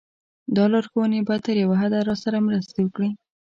دا لارښوونې به تر یوه حده راسره مرسته وکړي.